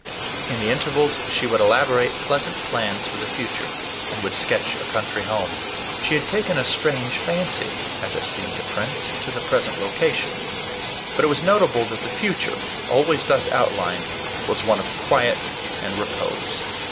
In the intervals she would elaborate pleasant plans for the future, and would sketch a country home. She had taken a strange fancy, as it seemed to Prince, to the present location; but it was notable that the future, always thus outlined, was one of quiet and repose.